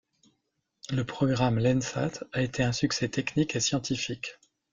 Le programme Landsat a été un succès technique et scientifique.